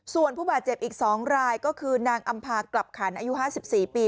ส่วนผู้บาดเจ็บอีก๒รายก็คือนางอำพากลับขันอายุ๕๔ปี